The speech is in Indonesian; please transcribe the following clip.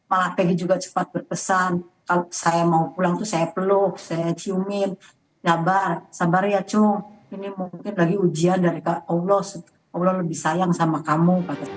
allah lebih sayang sama kamu